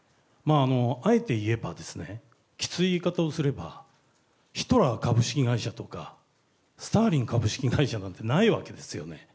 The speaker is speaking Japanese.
あえて言えば、きつい言い方をすれば、ヒトラー株式会社とか、スターリン株式会社というのはないわけですよね。